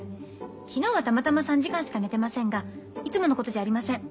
昨日はたまたま３時間しか寝てませんがいつものことじゃありません。